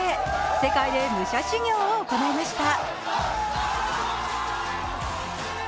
世界で武者修行を行いました。